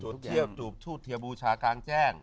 จุดเทียบจุดเทียบูชากางแจ้ง